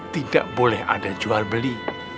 tidak boleh ada jual beli